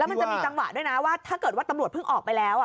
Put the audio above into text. มันจะมีจังหวะด้วยนะว่าถ้าเกิดว่าตำรวจเพิ่งออกไปแล้ว